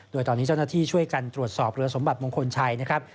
โดยตอนนี้เจ้าหน้าที่ช่วยกันตรวจสอบเรือสมบัติมงคลชัยนะครับ